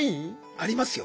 ありますよ。